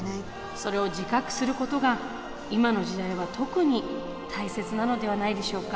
それを自覚することが今の時代は特に大切なのではないでしょうか。